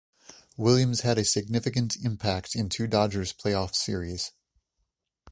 Williams had a significant impact in two Dodgers playoff series.